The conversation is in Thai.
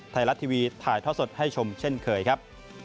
ไทยรัฐทีวีถ่ายท่อสดให้ชมเช่นเคยครับ